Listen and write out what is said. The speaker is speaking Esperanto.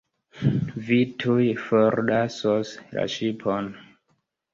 Vi tuj forlasos la ŝipon.